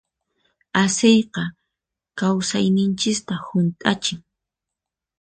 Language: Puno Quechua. Asiyqa kawsayninchista hunt'achin.